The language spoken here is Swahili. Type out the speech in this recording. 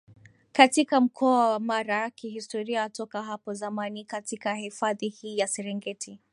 katika Mkoa wa Mara Kihistoria toka hapo zamani katika hifadhi hii ya Serengeti